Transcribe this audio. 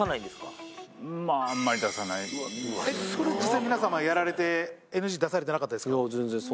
実際皆様やられてＮＧ出されてなかったですか？